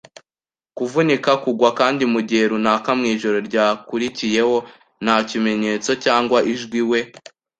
kuvunika kugwa, kandi mugihe runaka mwijoro ryakurikiyeho, nta kimenyetso cyangwa ijwi, we